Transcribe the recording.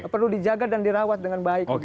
perlu dijaga dan dirawat dengan baik